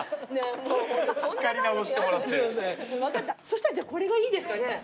そしたらじゃあこれがいいですかね。